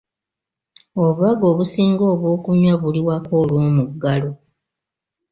Obubaga obusinga obw'okunywa buli waka olw'omuggalo.